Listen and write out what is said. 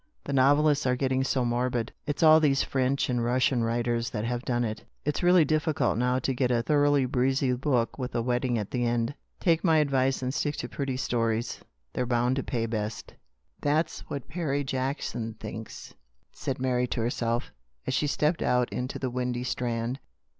The novelists are getting so morbid. It's all these French and Eussian writers that have done it. It's really difficult now to get a thoroughly breezy book with a wedding at the end. Take my advice and stick to pretty stories. They're bound to pay best." " That's what Perry Jackson thinks," said Mary to herself, as she stepped out into the windy Strand.